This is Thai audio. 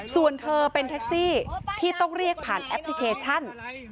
ส่วนเธอเป็นแท็กซี่ที่ต้องเรียกผ่านแอปพลิเคชัน